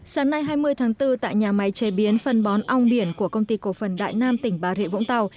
sáng nay hai mươi tháng bốn tại nhà máy chế biến phân bón ong biển của công ty cổ phần đại nam tỉnh bà rịa vũng tàu